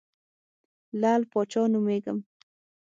لعل پاچا نومېږم.